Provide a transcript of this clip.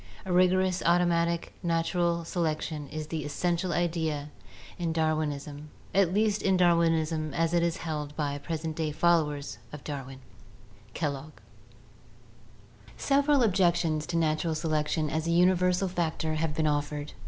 A rigorous automatic natural selection is the essential idea in Dar winism, at least in Darwinism as it is held by the present day followers of Darwin" (Kellogg). Several objections to natural selection as a universal factor have been offered.